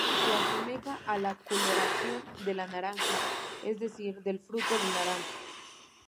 Se asemeja a la coloración de la naranja, es decir, del fruto del naranjo.